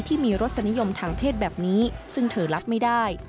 ที่มีรสนิยมทางเพศแบบนี้ซึ่งเธอรับไม่ได้